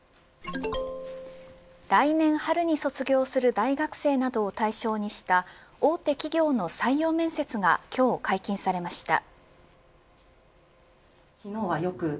来年春に卒業する大学生などを対象にした大手企業の採用面接が今日解禁されました。